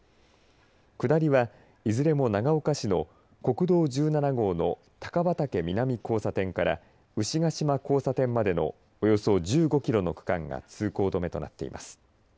下りは、いずれも長岡市の国道１７号の高畑南交差点から牛ケ島交差点までのおよそ１５キロの区間が通行止めとなっています。